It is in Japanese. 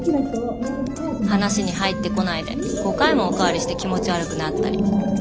話に入ってこないで５回もお代わりして気持ち悪くなったり。